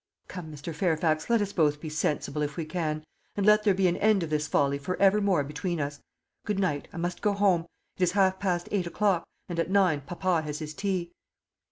Come, Mr. Fairfax, let us both be sensible, if we can, and let there be an end of this folly for evermore between us. Good night; I must go home. It is half past eight o'clock, and at nine papa has his tea."